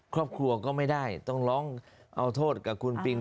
ครอบครัวก็ไม่ได้ต้องร้องเอาโทษกับคุณปิง